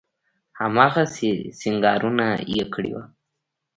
هماغسې سينګارونه يې کړي وو.